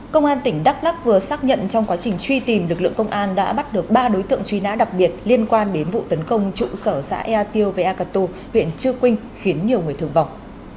công an tỉnh đắk lắk vừa xác nhận trong quá trình truy tìm lực lượng công an đã bắt được ba đối tượng truy nã đặc biệt liên quan đến vụ tấn công trụ sở xã ea tiêu và ea cà tô huyện trư quynh khiến nhiều người thương vọng